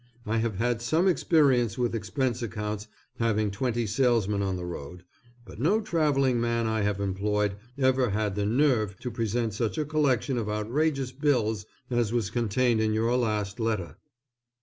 I have had some experience with expense accounts having twenty salesmen on the road; but no travelling man I have employed, ever had the nerve to present such a collection of outrageous bills as was contained in your last letter.